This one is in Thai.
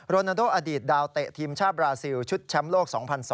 โรนาโดอดีตดาวเตะทีมชาติบราซิลชุดแชมป์โลก๒๐๐๒